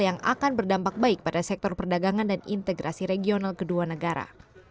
yang akan berdampak baik pada sektor perdagangan dan integrasi regional kedua negara